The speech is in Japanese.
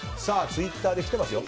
ツイッターで来てますよ。